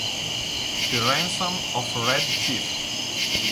The Ransom of Red Chief